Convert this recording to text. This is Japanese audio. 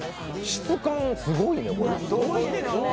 質感すごいね、これ。